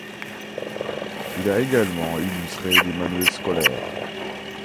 Il a également illustré des manuels scolaires.